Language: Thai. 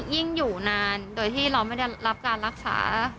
อยู่นานโดยที่เราไม่ได้รับการรักษา